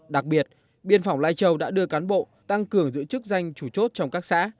đặc biệt biên phòng lai châu đã đưa cán bộ tăng cường giữ chức danh chủ chốt trong các xã